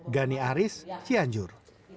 gani aris cianjur